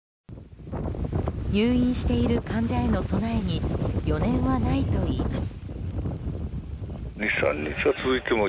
入院している患者への備えに余念はないといいます。